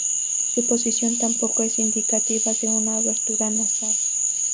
Su posición tampoco es indicativa de una abertura nasal.